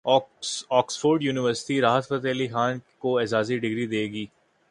Oxford university Rahat Fateh Ali Khan کو اعزازی degree دے گی